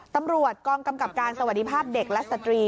ตำรวจกรรมกรรมกรรมการสวัสดีภาพเด็กและสตรี